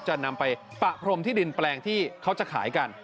จะนำไปปะพรมที่ดินแปลงที่เขาจะขายกัน